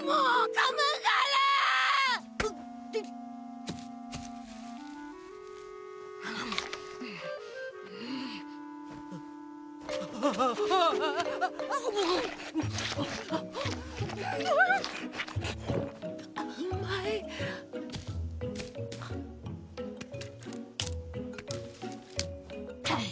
うまァい！